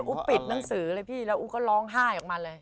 ปิดหนังสือเลยพี่แล้วอู๊ก็ร้องไห้ออกมาเลย